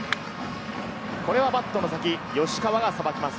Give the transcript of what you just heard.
これはバットの先、吉川がさばきます。